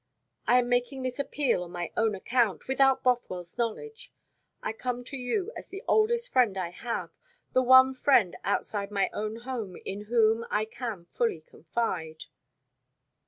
I am making this appeal on my own account without Bothwell's knowledge. I come to you as the oldest friend I have the one friend outside my own home in whom I can fully confide."